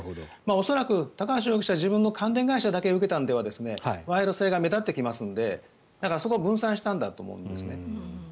恐らく高橋容疑者は自分の関連会社だけ受けたのでは賄賂性が目立ってきますのでそこは分散したんだと思いますね。